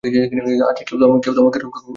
আচ্ছা, কেউ তো তোমাকে রক্ষা করতে হবে।